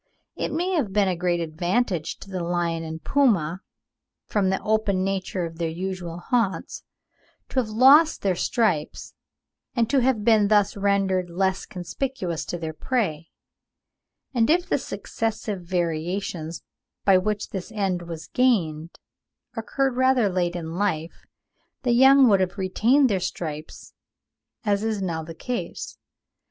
It may have been a great advantage to the lion and puma, from the open nature of their usual haunts, to have lost their stripes, and to have been thus rendered less conspicuous to their prey; and if the successive variations, by which this end was gained, occurred rather late in life, the young would have retained their stripes, as is now the case.